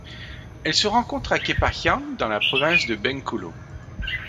Elle se rencontre à Kepahiang dans la province de Bengkulu.